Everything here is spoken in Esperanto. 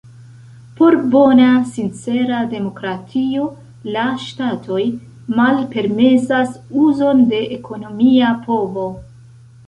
Por bona, sincera demokratio la ŝtatoj malpermesas uzon de ekonomia povo.